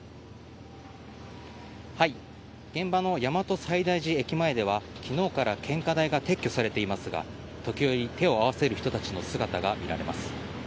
現場の大和西大寺駅前では昨日から献花台が撤去されていますが時折、手を合わせる人たちの姿が見られます。